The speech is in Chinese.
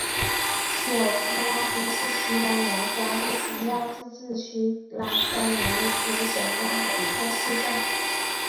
索夫拉多是西班牙加利西亚自治区拉科鲁尼亚省的一个市镇。